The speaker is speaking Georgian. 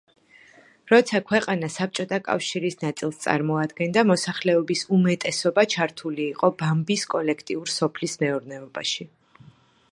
როცა ქვეყანა საბჭოთა კავშირის ნაწილს წარმოადგენდა მოსახლეობის უმეტესობა ჩართული იყო ბამბის კოლექტიურ სოფლის მეურნეობაში.